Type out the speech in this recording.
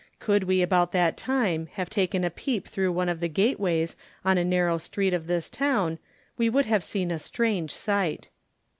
Could we about that time, have taken a peep through one of the gateways on a narrow street of this town, we would have seen a strange sight.